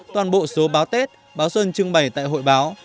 toàn bộ số báo tết báo xuân trưng bày tại hội báo